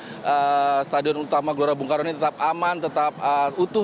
dan stadion utama gelora bung karno ini tetap aman tetap utuh